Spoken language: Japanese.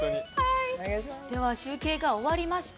では、集計が終わりました。